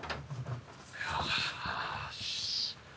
よし。